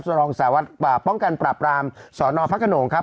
สรองสหวัดป้องกันปรับรามสอนอพระขนมครับ